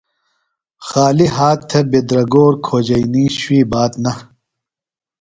خالیۡ ہات تھےۡ بِدرگور کھوجئینی شُوئی بات نہ۔